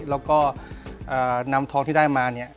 แล้วก็นำทองที่ได้มาเนี่ย